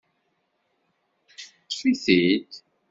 Ṭṭfit-id.